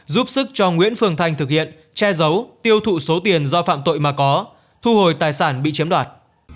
giúp sức cho nguyễn phương thanh thực hiện che giấu tiêu thụ số tiền do phạm tội mà có thu hồi tài sản bị chiếm đoạt